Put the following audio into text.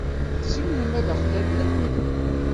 Tzemrem ad aɣ-tallem?